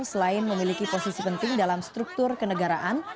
selain memiliki posisi penting dalam struktur kenegaraan